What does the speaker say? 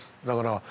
だから。